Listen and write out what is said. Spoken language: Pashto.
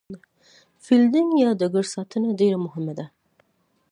فیلډینګ یا ډګر ساتنه ډېره مهمه ده.